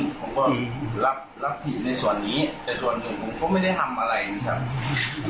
ผมก็รับผิดในส่วนนี้แต่ส่วนหนึ่งผมก็ไม่ได้ทำอะไรนะครับ